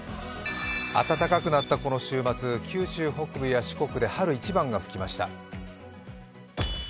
暖かくなったこの週末、九州北部や四国で春一番が吹きました。